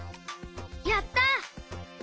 やった！